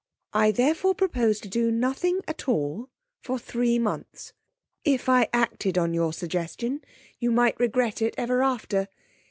I therefore propose to do nothing at all for three months. If I acted on your suggestion you might regret it ever after.